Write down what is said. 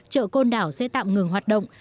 chợ côn đảo sẽ tạm ngừng hoạt động